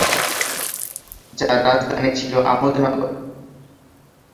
যার রাজধানী ছিল আমোদ নগর।